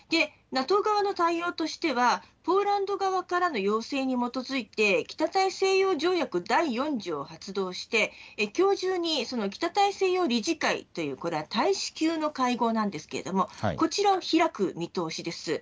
ＮＡＴＯ側の対応としてはポーランド側からの要請に基づいて北大西洋条約第４条を発動してきょう中に北大西洋理事会、大使級の会合ですが、こちらを開く見通しです。